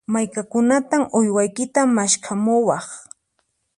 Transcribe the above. Maykunantan uywaykita maskhamuwaq?